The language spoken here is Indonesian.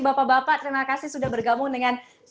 bapak bapak terima kasih sudah bergabung dengan secret ad news